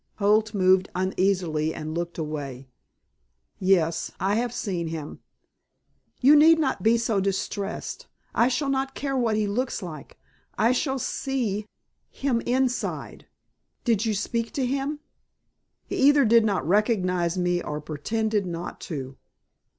Holt moved uneasily and looked away. "Yes, I have seen him." "You need not be so distressed. I shall not care what he looks like. I shall see him inside. Did you speak to him?" "He either did not recognize me or pretended not to."